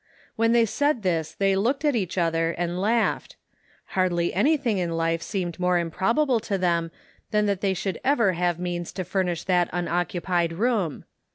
When they said this they looked at each other and laughed; hardly anything in life seemed more improbable to them than that they should ever have means to furnish that unoccupied room